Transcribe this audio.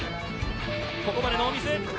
ここまでノーミス。